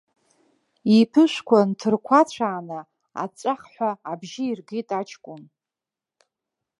Иԥышәқәа нҭырқәацәааны аҵәахҳәа абжьы иргеит аҷкәын.